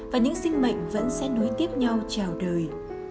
và những sinh mệnh vẫn sẽ nối tiếp nhau trào đời